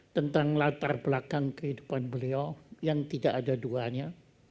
tentang latar belakang kehidupan beliau yang tidak ada duanya